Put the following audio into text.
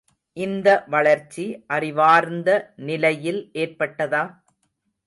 இந்த வளர்ச்சி அறிவார்ந்த நிலையில் ஏற்பட்டதா?